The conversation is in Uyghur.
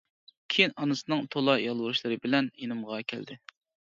كىيىن ئانىسىنىڭ تولا يالۋۇرۇشلىرى بىلەن يېنىمغا كەلدى.